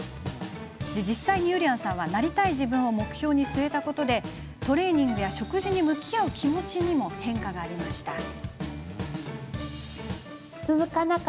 実際に、ゆりやんさんはなりたい自分を目標に据えたことでトレーニングや食事に向き合う気持ちにも変化がありました。